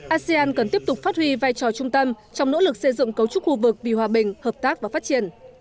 asean cần tiếp tục phát huy vai trò trung tâm trong nỗ lực xây dựng cấu trúc khu vực vì hòa bình hợp tác và phát triển